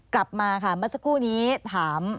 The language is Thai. กลับมาค่ะเมื่อสักครู่นี้ถาม